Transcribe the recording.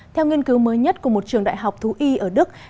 theo nghiên cứu mới nhất của một trường đại học thú y ở đức